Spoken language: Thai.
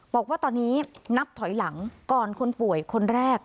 บอกว่าตอนนี้นับถอยหลังก่อนคนป่วยคนแรก